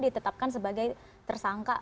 ditetapkan sebagai tersangka